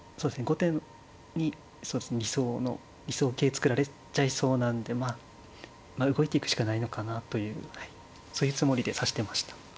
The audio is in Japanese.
後手に理想型作られちゃいそうなんでまあ動いていくしかないのかなというはいそういうつもりで指してました。